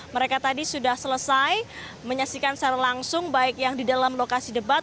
mereka tadi sudah selesai menyaksikan secara langsung baik yang di dalam lokasi debat